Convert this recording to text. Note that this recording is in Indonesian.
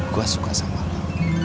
gua suka sama lu